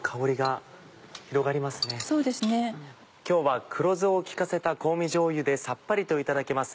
今日は黒酢を利かせた香味じょうゆでさっぱりといただけます